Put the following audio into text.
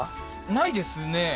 ないですね